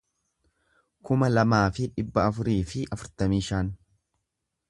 kuma lamaa fi dhibba afurii fi afurtamii shan